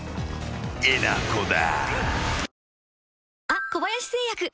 えなこだ］